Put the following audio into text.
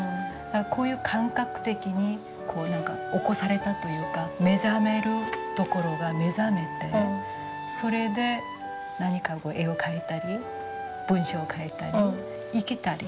だからこういう感覚的にこう何か起こされたというか目覚めるところが目覚めてそれで何か絵を描いたり文章を書いたり生きたり。